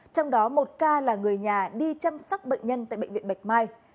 trong đó một ca là người nhà đi chăm sóc bệnh nhân tại bệnh viện bạch mai